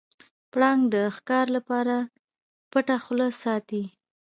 پړانګ د ښکار لپاره پټه خوله ساتي.